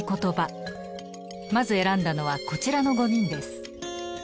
まず選んだのはこちらの５人です。